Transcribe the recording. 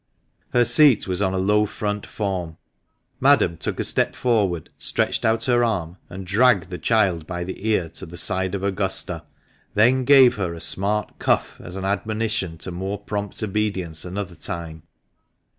Her seat was on a low front form. Madame took a step forward, stretched out her arm, and dragged the child by the ear to the side of Augusta, then gave her a smart cuff as an admonition to more prompt obedience another time.